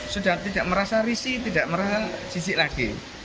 sudah tidak merasa risih tidak merasa sisik lagi